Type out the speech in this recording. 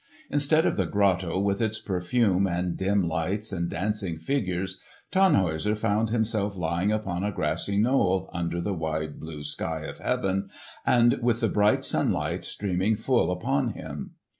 Instead of the grotto with its perfume and dim lights and dancing figures, Tannhäuser found himself lying upon a grassy knoll under the wide blue sky of heaven and with the bright sunlight streaming full upon him.